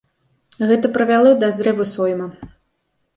Гэта прывяло да зрыву сойма.